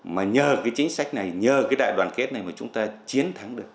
mà nhờ cái chính sách này nhờ cái đại đoàn kết này mà chúng ta chiến thắng được